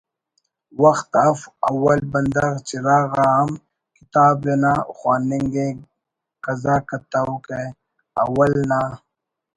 وخت اف اول بندغ چراغ آ ہم کتاب نا خواننگ ءِ کزا کتوکہ اول نا